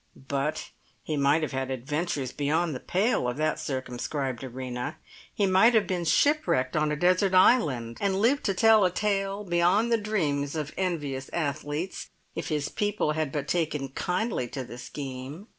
But he might have had adventures beyond the pale of that circumscribed arena, he might have been shipwrecked on a desert island, and lived to tell a tale beyond the dreams of envious athletes, if his people had but taken kindly to the scheme.